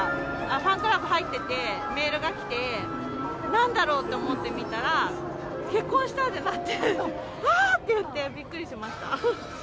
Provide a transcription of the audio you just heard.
ファンクラブ入ってて、メールが来て、なんだろうと思って見たら、結婚したってなって、わぁ！っていってびっくりしました。